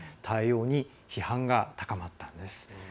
対応に批判が高まったんです。